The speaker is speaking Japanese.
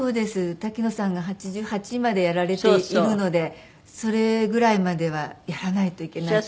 滝野さんが８８までやられているのでそれぐらいまではやらないといけないと。